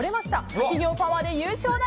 滝行パワーで優勝だ！